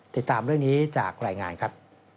ติดตามเรื่องนี้จากรายงานครับ